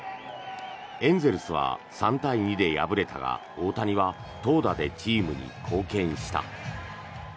エンゼルスは３対２で敗れたが大谷は投打でチームに貢献した。